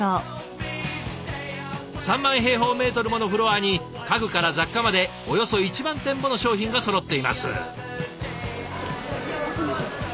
３万平方メートルものフロアに家具から雑貨までおよそ１万点もの商品がそろっています。